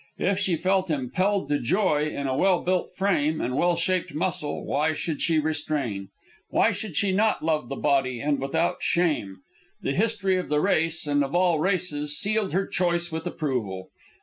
If she felt impelled to joy in a well built frame and well shaped muscle, why should she restrain? Why should she not love the body, and without shame? The history of the race, and of all races, sealed her choice with approval.